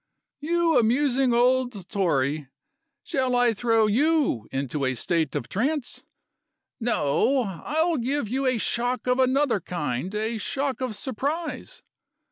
"You amusing old Tory! Shall I throw you into a state of trance? No! I'll give you a shock of another kind a shock of surprise.